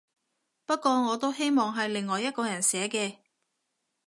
不過我都希望係另外一個人寫嘅